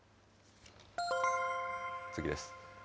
次です。